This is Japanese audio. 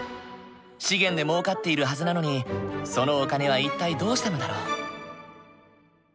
資源でもうかっているはずなのにそのお金は一体どうしたのだろう？